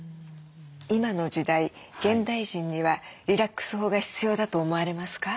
今の時代現代人にはリラックス法が必要だと思われますか？